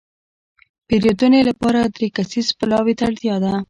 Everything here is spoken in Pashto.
د پېرودنې لپاره دری کسیز پلاوي ته اړتياده.